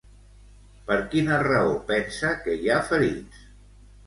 Per quina raó pensa que hi ha ferits?